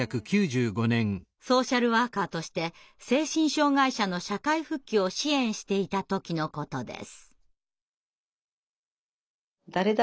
ソーシャルワーカーとして精神障害者の社会復帰を支援していた時のことです。